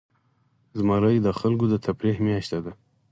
زمری د خلکو د تفریح میاشت ده.